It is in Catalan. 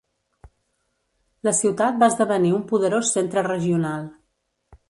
La ciutat va esdevenir un poderós centre regional.